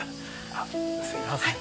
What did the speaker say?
あっすいません。